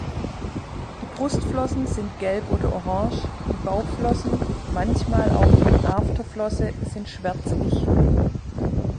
Die Brustflossen sind gelb oder orange, die Bauchflossen, manchmal auch die Afterflosse, sind schwärzlich.